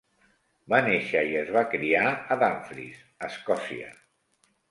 Va néixer i es va criar a Dumfries, Escòcia.